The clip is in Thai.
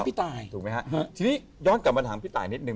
ทีนี้ย้อนกลับมาถามพี่ตายนิดนึง